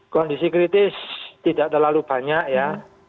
kondisi kritis tidak terlalu banyak ya